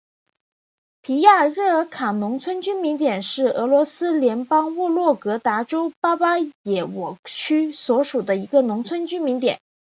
皮亚热尔卡农村居民点是俄罗斯联邦沃洛格达州巴巴耶沃区所属的一个农村居民点。